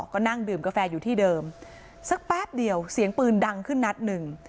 ก็นั่งดื่มกาแฟอยู่ที่เดิมสักแป๊บเดียวเสียงปืนดังขึ้นนัดหนึ่ง